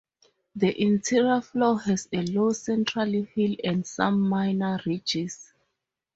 The interior floor has a low central hill and some minor ridges.